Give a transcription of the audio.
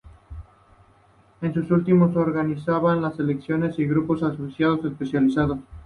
Estos últimos se organizaban en secciones y grupos de aficiones especializados.